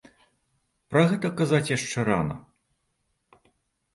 Пра гэта казаць яшчэ рана.